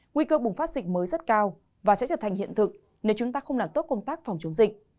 nguy cơ bùng phát dịch mới rất cao và sẽ trở thành hiện thực nếu chúng ta không làm tốt công tác phòng chống dịch